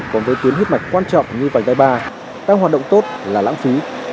còn với tuyến huyết mạch quan trọng như vành đai ba các hoạt động tốt là lãng phí